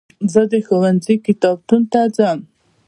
زه د ښوونځي کتابتون ته ځم.